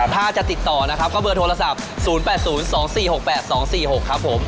ถ้าจะติดต่อนะครับก็เบอร์โทรศัพท์๐๘๐๒๔๖๘๒๔๖ครับผม